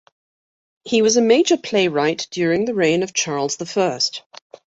He was a major playwright during the reign of Charles the First.